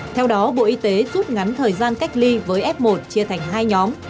theo đó bộ y tế rút ngắn thời gian cách ly với f một chia thành hai nhóm